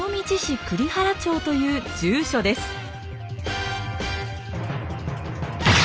という住所です。